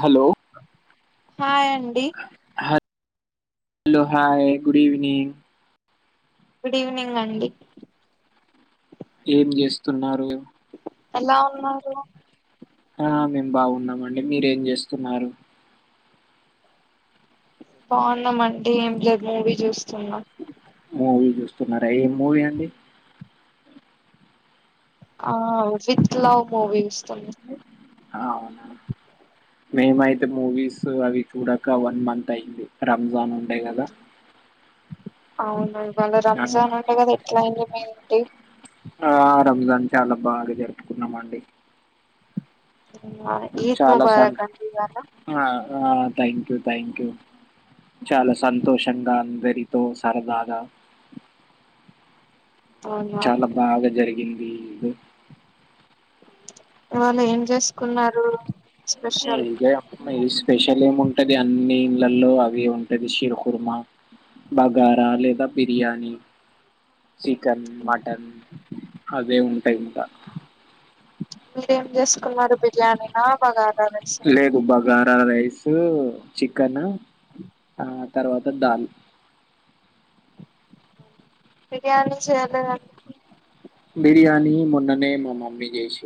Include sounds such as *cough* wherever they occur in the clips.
Hello hi అండి హ hello hi good evening good evening అండి ఏం చేస్తున్నారు ఎలా ఉన్నారు ఆ మేము బాగున్నామండి మీరేం చేస్తున్నారు బాగున్నామ అంటడి ఏం లేదు మూవీ చూస్తున్నా మూవీ చూస్తున్నారా ఏం మూవీ అండి ఆ విత్ లవ్ మూవీ ఇస్తుంది అ అవునుడి మేమయితే మూవీస్ అవి చూడక వన్ మంత్ అయింది రంజాన్ ఉండే కదా అవును వాళ్ళ ఆ, రంజాన్ ఉండే కదా ఎట్లా అయింది మంటి ఆ రంజాన్ చాలా బాగా జరుపుకున్నామ అండి ఆ, ఈద్ చాలా సార్ ముబారక్ అండి ఇవాళ థ్యాంక్ యూ థ్యాంక్ యూ చాలా సంతోషంగా అందరితో సరదాగా అవునా చాలా బాగా జరిగింది ఇద వాళ్ళు ఏం చేసుకున్నారు స్పెషల్ ఇ స్పెషల్ ఏంంట ఉంటది అన్ని ఇంలలో అవి ఉంటది శిరకుర్మ బగారా లేదా బిర్యానీ చికెన్ మటన్ అవే ఉంటాయి ఇంకా మీరేం చేసుకున్నారు బిర్యానీ నా బాగాలాస్ గార రైసు చికెన్ ఆ తర్వాత దాల్ బిర్యాణ చేాల బిర్యానీ మొన్ననే మా మమ్మీ చేసి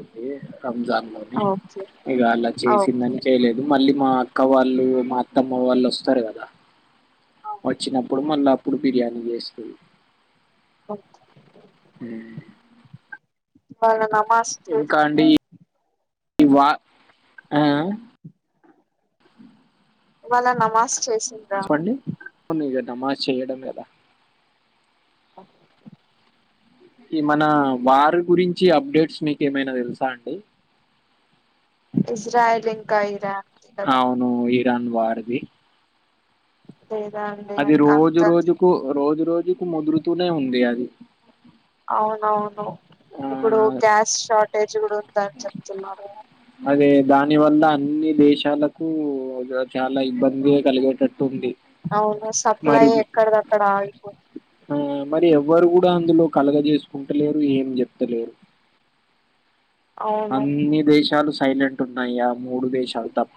రంజాన్ లో ఓకే ఇక అలా ఓకే చేసిందని చేయలేదు మళ్ళీ మా అక్క వాళ్ళు వాళ్ళు మా అత్తమ్మ వాళ్ళు వస్తారు కదా అవును వచ్చినప్పుడు మళ్ళ అప్పుడు బిర్యానీ వేసుకు ఓే హ అవునా ఇంకాంటిడి ఈ వా ఆ వాళ్ళా నమాజ ప్పండి కదమ్మా చేయడం ఎదా ఓకే ఈ మన వారి గురించి అప్డేట్స్ మీకు ఏమైనా తెలుసా అండి ఇజ్రాయిల్ంకా ఇరాన్ కదా అవును ఇరాన్ వాారది లేదా అండి అది ఇంకా రోజు అంత రోజుకు రోజు రోజుకు ముదురుతూనే ఉంది అది అవునవును ఆ ఇప్పుడు గ్యాస్ షార్టేజ్ కూడా ఉంద అని చెప్తున్నారు అదే దాని వల్ల అన్ని దేశాలకు చాలా ఇబ్బంది కలిగేటట్టు ఉంది అవును సప్లై మరి ఎక్కడ దక్కడ ఆాలపో ఆ మరి ఎవ్వరు కూడా అందులో కలగజేసుకుంటలేరు ఏం చెప్తలేరు అవును అన్ని దేశాలు సైలెంట్ ఉన్నాయా మూడు దేశాలు తప్ప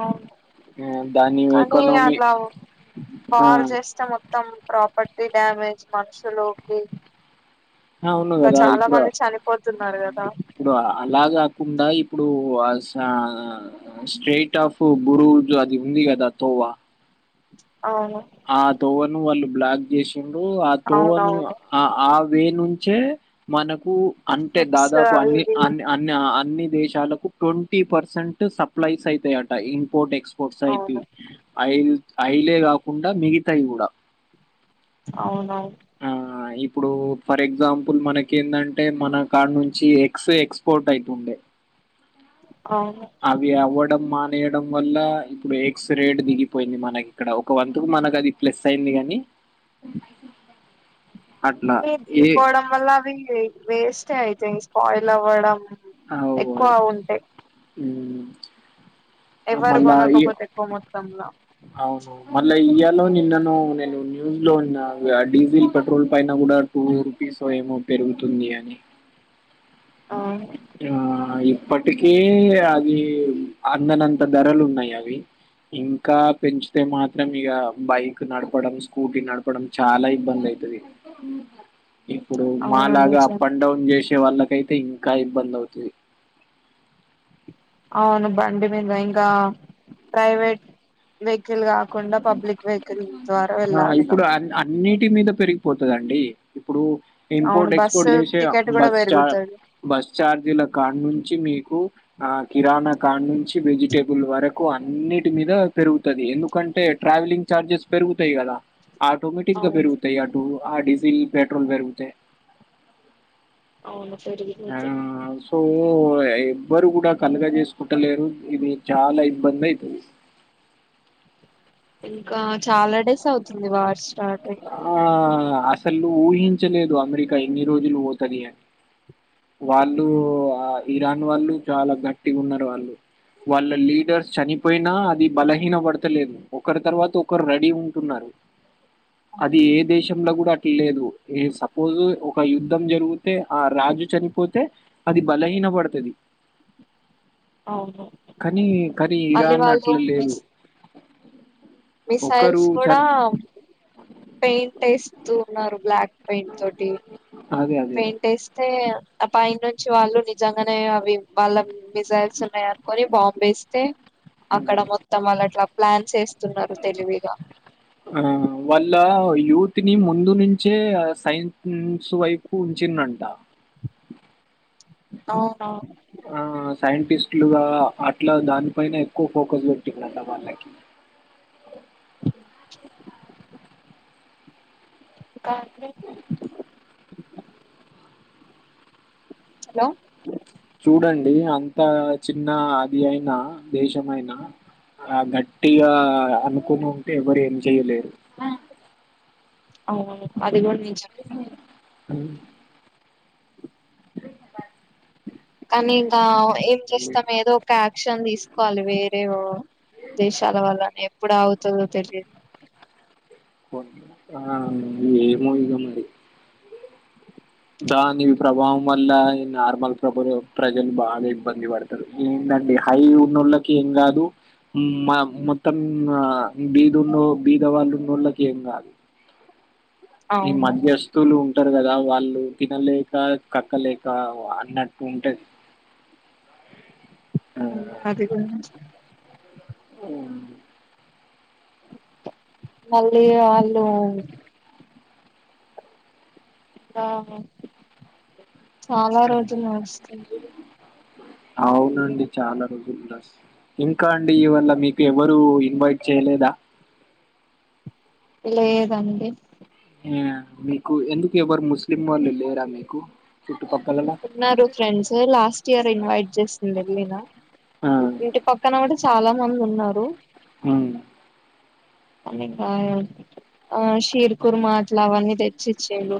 అవు ఆ దాని కానీ ఎకానమీ అట్లా ఆ బారు చేస్తే మొత్తం ప్రాపర్టీ ఈ డ్యామేజ్ మనుషులుకి ఆ ఉవును ఇంకా కదా చాలా ఇప్పుడు మంది చనిపోతున్నారు కదా ఇప్పుడు అలా కాకుండా ఇప్పుడు స్ట్రెయిట్ ఆఫ్ బురు అదింది కద తొవ్వ అవును వాళ్ళు బ్లాక్ చేసిరు ఆ తోవని అవునవును వే నుంచే మనకు అంటే షిప్స్ దాదాపు అవి అన్ని ఇవి అ అన్ని అన్ని దేశాలకు ట్వంటీ పర్సెంట్ సప్లైస్ అయితాయట ఇంపోర్ట్ ఎక్స్పోర్ట్స్ అయిత అవును అయిల్ అఐలే కాకుండా మిగతాయి కూడా అవును ఆ ఇప్పుడు ఫర్ ఎగ్జాంపుల్ మనకి ఏంటంటే మన కాడ నుంచి ఎగ్స్ ఎక్స్పోర్ట్ అయితుండే అ అవును అవి అవ్వడం రేయడం వల్ల ఇప్పుడు ఎక్స్ రేట్ దిగిపోయింది మనకి ఇక్కడ ఒక వంతుకు మనకు అది ప్లస్ అయింది కాని అ అది పోవడం వల్ల అవి వేస్ట్ అయితేయి స్పాయిల్ అవ్వడం ఎక్కువ ఉంటాయి. ఉం ఎవరు కొనకపోతే ఎక్కువ మొత్తంల అవును మళ్ళా ఇయాలో నిన్నను నేను న్యూస్ లో ఉన్నా డీజిల్ పెట్రోల్ పైన కూడా టూ రూపీస్ ఏమో పెరుగుతుంది. అవును ఆ ఇప్పటికే అది అందనంత ధరలు ఉన్నాయి అవి ఇంకా పెంచితే మాత్రం ఇక బైక్ నడపడం స్కూటీ నడపడం చాలా ఇబ్బంది అయి తది ఇప్పుడు మా అవును లాగా నిజం అప్ అండ్ డౌన్ చేసే వాళ్ళకైతే ఇంకా ఇబ్బంది అవుతది అవును బండి మీద ఇంకా ప్రైవేట్ వెహికల్ గా కుండా పబ్లిక్ వెహికల్ ద్వారా వెళ్ళాలి ఇగ ఇప్పుడు అన్నిటి మీద పెరిగిపోతుందండి ఇప్పుడు అవును ఇంపోర్ట్ ఎక్స్పోర్ట్ బస్సు చేసే టికెట్ కూడా బస్ చ పెరుగుతది బస్ చార్జీల కాడ్ నుంచి మీకు ఆ కిరాణా కాడ్ నుంచి వెజిటేబుల్ వరకు అన్నిటి మీద పెరుగుతుంది ఎందుకంటే ట్రా వెలింగ్ చార్జెస్ పెరుగుతాయి కదా ఆటోమేటిక్గా అవును పెరుగుతాయి అటు ఆర్ ల్ పెట్రోల్ పెరుగుతే అవును ఆ పెరిగిపోతది సో ఎవ్వరు కూడా కలుగా చేసుకుంటలేరు ఇది చాలా ఇబ్బంది అవుతుంది ఇంకా చాలా డేస్ అవుతుంది వా ఆ అసలు ఊహించలేదు అమెరికా ఎన్ని రోజులు పోతది వాళ్ళు ఇరాన్ వాళ్ళు చాలా గట్టిగా ఉన్నారు వాళ్ళు వాళ్ళ లీడర్స్ చనిపోయినా అది బలహీన పడతలేదు ఒకరి తర్వాత ఒకరు రెడీ ఉంటున్నారు. అది ఏ దేశం లో కూడా అట్ లేదు ఏ సపోజ్ ఒక యుద్ధం జరిగితే ఆ రాజు చనిపోతే అది బలహీనా పడుతది. అవును కానీ కానీ మళ్ళీ ఇరాన్ వాళ్ళు అట్ల లేదు. మిస్ మిసైల్స్ ఒకరు కూడా చన్ పెయింట్ వేస్తూ ఉన్నారు బ్లాక్ పెయింట్ తోటి అదే అదే. పెయింట్ వేస్తే అపాయం వాళ్ళు నిజంగానే అవి వాళ్ళ మిజైల్స్ ఉన్నాయి అనుకొని బాంబు వేస్తే హ్మ్. అక్కడ మొత్తం వాళ్ళ అట్లా ప్లాన్ వేస్తున్నారు తెలివిగా ఆ వాళ్ళ యూత్ ని ముందు నుంచే ఆ సైన్ నుం సైన్స్ వైపు ఉంచే చిన్రంటా అవునవును ఆ ఆ సైంటిస్టులుగా అట్ల దానిపైన ఎక్కువ ఫోకస్ పెట్టిల్లంట వాళ్ళకి. అ కా అండి హలో చూడండి అంతా చిన్న అది అయినా దేశమైనా ఆ గట్టిగా అనుకొని ఉంటే ఎవరు ఏం చెయలేరు. అవును అది గుడ నిజమే ఉమ్ కనీ ఇంకా ఏం జేస్తాం ఏదో ఒక యాక్షన్ తీస్ వాళ్ళు వేరే ఓ దేశాల వల్ల ఎప్పుడు అవుతుందో తెలియదు. ఆ ఏమో ఇగ మరి దానివి ప్రభావం వల్ల ఇగ నార్మల్ ప్రభలు ప్రజలు బాగ ఇబ్బంది పడతరు. ట్లాంటి హై ఉన్నోళ్ళకి ఏం గాదు మా మొత్తం బీదున్నో బీద వాళ్ళు ఉన్నోళ్ళకి ఏం గాదు ఈ అవును మాధ్యస్తులున్ టరు గదా వాళ్ళు తినలేక కక్కలేక అన్నట్టు ఉంటది ఆ అవును అదిగుడా హ్మ్ మళ్ళీ ఆళ్ళు ఆ చాలా రోజులు నడుస్తుంది అవునండి చాలా రోజులు నడుస్తుంది ఇంకా అండి ఇవల మీకు ఎవరు ఇన్వైట్ చేయాలె లేదా లేదండి ఆ మీకు ఎందుకు ఎవరు ముస్లిం వాళ్ళు లేరా మీకు? చుట్టుపక్కలలో ఉన్నారు ఫ్రెండ్స్ లాస్ట్ ఇయర్ ఇన్వైట్ జేసింది ఎల్లిన ఆ ఇంటి పక్కన గుడా చాలా మందున్నారు. హ *unintelligible* ఆ షీర్ కుర్మా అట్లా అవన్ని తెచ్ చ్చిచ్చిళ్లు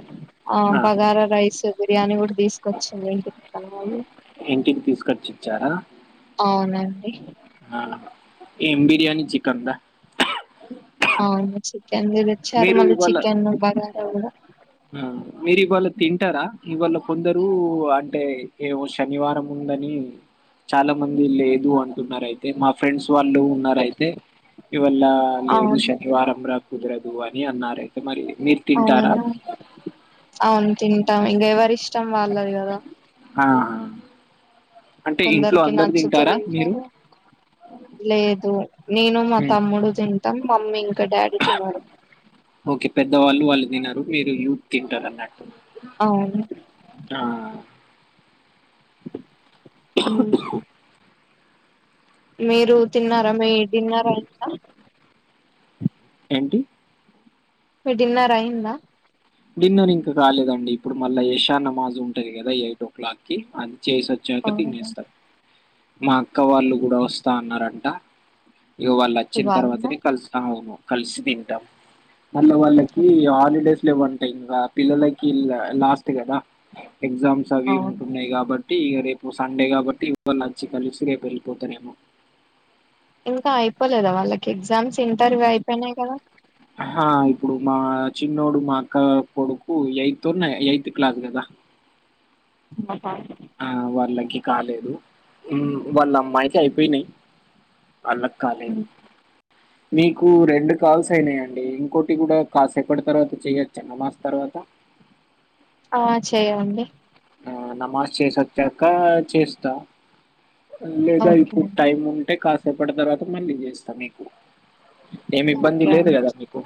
ఆ బగారా రైస్, బిర్యానీ గుడ తీసుకొచ్చిళ్ళు ఇంటి పక్కన వాళ్ళు ఇంటికి తీసుకొచ్చిచ్చారా? అవునండి ఏం బిర్యానీ చికన్ దా? అవును చికెన్ది దెచ్చారు, మీరు మళ్ళీ ఇవాళ చికెన్ బగార గుడ ఆ మీరివాళ తింటరా? ఇవాళ కొందరు అంటే ఏమో శనివారము ఉందని చాలా మంది లేదు అంటున్నరైతే మా ఫ్రెండ్స్ వాళ్ళు ఉన్నరైతే ఇవాల్ళ లేదు అవును శనివారం రా కుదరదు అని అన్నారయితే మరి మీరు తింటారా? అవును అవును తింటాం ఇంగ ఎవరిష్టం వాళ్ళది గదా ఆ, అంటే ఇంట్లో కొందరికి అందరు నచ్చుతె తింటారా మీరు దింటరు లేదు నేను, మా ఉమ్, తమ్ముడు తిన్ టం మమ్మీ ఇంక డాడీ తినరు గ వాళ్ళు వాళ్ళు తినరు, మీరు యూత్ తింటరన్నట్టు. అవును హ్మ్ మీరు తిన్నార, మీ డిన్నరయింద? ఏంటి మీ డిన్నర్ అయిందా డిన్నర్ ఇంకా కాలేదండి ఇప్పుడు మళ్ళా ఎ శానమాజు ఉంటుంది కదా ఎయిట్ ఓ క్లాక్ కి చేసి వచ్చాక అవునా తినేస్తారు మా అక్క వాళ్ళు గూడా వస్తా అన్నారంట ఇగా వాళ్ళు వచ్చిన ఇవ్వాలనా తర్వాతనే కలుస్తా అవును కలిసి తింటాం మళ్ళ వాళ్ళకి హాలిడేస్ లెవ్వంటా ఇంగా పిల్లలకి లాస్ట్ గదా ఎగ్జామ్స్ అవి అవును ఉంటున్నాయి కాబట్టి ఇక రేపు సండే కాబట్టి లంచఇచ్చికలిసి రేపు వెళ్ళిపోతారేమో ఇంకా అయిపోలేదా వాళ్ళకి ఎగ్జామ్స్ ఇంటర్వ్యూ అయిపోయినాయి కదా ఆ ఇప్పుడు మా చిన్నోడు మా అక్క కొడుకు ఎయిత్ ఎయిత్ క్లాస్ కదా మపా ఆ వాళ్ళకి కాలేదు మ్ వాళ్ళ అమ్మాయికి అయిపోయినయి అల కాలేదు హ్మ్. మీకు రెండు కాల్స్ అయినాయండి ఇంకోటి కూడా కాసేపటి తర్వాత చేయచ్చు నమాజ్ తర్వాత పత ఆ చేయండి ఆ నమాజ్ చేసోచ్చాక చేస్తా లేదా ఓకే ఇప్పుడు అండి టైం ఉంటే కాసేపటి తర్వాత మళ్ళీ చేస్తా మీకు ఏమి ఇబ్బంది ఓకే లేదు అండి గదా మీకు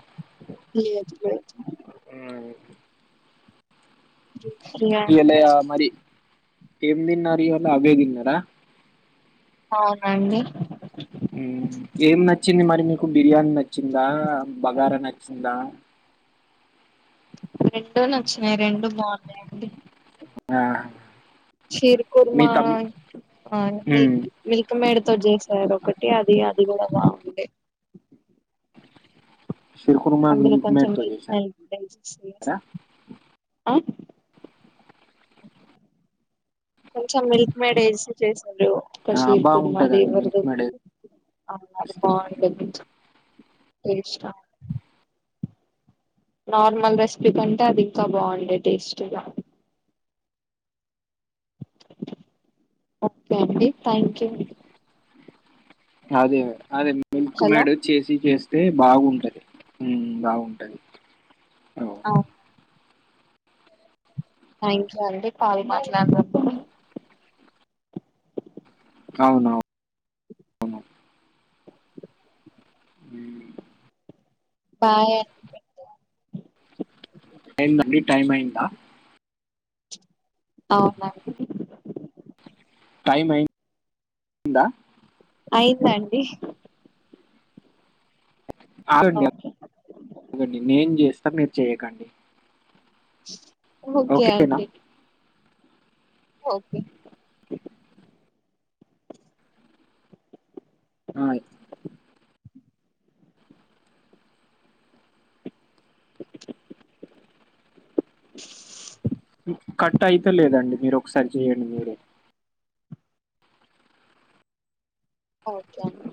లేదు లేదు ఫ్రీయే ఇయ్యాళ మరి ఏం తిన్నారు ఇయ్యాళ అవే తిన్నారా అవునండి మ్ ఏం నచ్చింది మరి మీకు బిర్యానీ నచ్చిందా బగారా నచ్చిందా రెండు నచ్చినాయి రెండు బాగున్నాయిండి ఆ చీర్ మీ కుర్మా తమ్ హ్మ్. మిల్క్ మెడ్తో జ ఎదో ఒకటి అది అది గూడా బాగునండే షీర్ కుర్మా అందులో మిల్క్ కొంచెం మేడ్‌తో నెయ్యి చేశారా? డైజెస్ట్స్త అ కొంచెం మిల్క్ మేడ్ వేసి చేస్త ఒక ఆ! కషీర్ కుర్మా బావుంటదండి అదేవ్రదో మిల్క్ మేడ్ అది ఏస్తే. బాగుండేది టేష్టా నార్మల్ రెసిపీ కంటే అది ఇంకా బాగుండే టేస్ట్గా ఓకే అండి థ్యాంక్ యూ అదే అదే మిల్క్ హలో మేడ్ చేసి చేస్తే బాగుంటది మ్ బాగుంటది అవును థ్యాంక్ అండి పాలు మాట్లాడినందుకు అవునవును అవును మ్ బాయ్ అ అయిదండి టైం అయిన్దా అవునాండి టైమ్ అయ్యిందా అయిందండి ఆగండి ఓకే ఆగండి నేను చేస్తా మీరు చెయ్యకండి ఓకే అండి ఓకే ఆ *inaudible* కట్ అయితే లేదండి మీరు ఒకసారి చెయండి మీరే ఓకే అండి